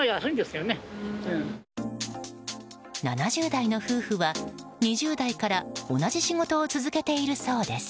７０代の夫婦は２０代から同じ仕事を続けているそうです。